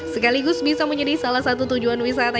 sekaligus bisa menjadi salah satu tujuan wisata